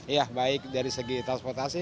ya baik dari segi transportasi